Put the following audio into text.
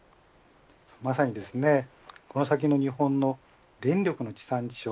まさに、この先の日本の電力の地産地消。